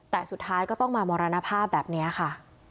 แต่สุดท้ายก็ต้องมามรณภาพแบบนี้ค่ะ